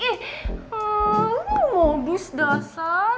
ih lo modus dasar